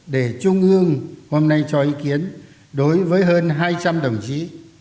để trung ương hôm nay cho ý kiến đối với hơn hai trăm linh đồng chí